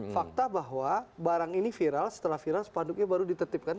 fakta bahwa barang ini viral setelah viral spanduknya baru ditertipkan